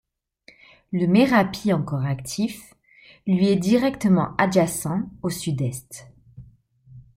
Le Merapi encore actif lui est directement adjacent au sud-est.